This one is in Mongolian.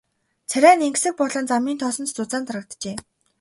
Царай нь энгэсэг болон замын тоосонд зузаан дарагджээ.